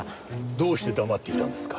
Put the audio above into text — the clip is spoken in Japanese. どうして黙っていたんですか？